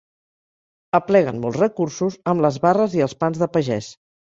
Apleguen molts recursos amb les barres i els pans de pagès.